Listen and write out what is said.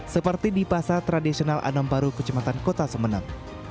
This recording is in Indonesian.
seperti di pasar tradisional anom baru kecamatan kota semenem